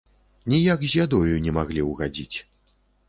Ніяк з ядою не маглі ўгадзіць.